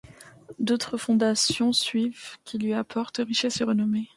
D'autres fondations suivent, qui lui apportent richesse et renommée.